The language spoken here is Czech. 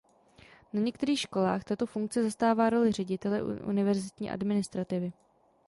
Na některých školách tato funkce zastává roli ředitele univerzitní administrativy.